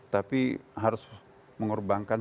tapi harus mengorbankan